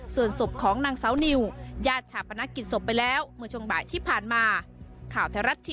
ส่วนศพของนางสาวนิวญาติชาปนักกิจศพไปแล้วเมื่อช่วงบ่ายที่ผ่านมา